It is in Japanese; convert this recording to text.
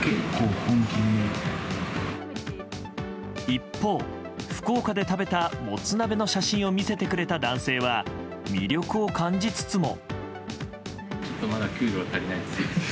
一方、福岡で食べたもつ鍋の写真を見せてくれた男性は魅力を感じつつも。